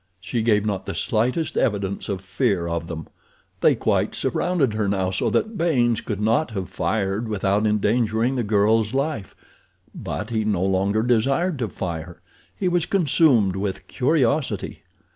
She gave not the slightest evidence of fear of them. They quite surrounded her now so that Baynes could not have fired without endangering the girl's life; but he no longer desired to fire. He was consumed with curiosity.